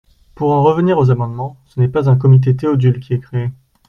Pour en revenir aux amendements, ce n’est pas un comité Théodule qui est créé.